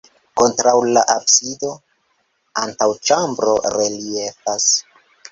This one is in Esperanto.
Kontraŭ la absido antaŭĉambro reliefas.